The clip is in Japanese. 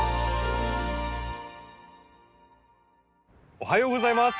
おはようございます。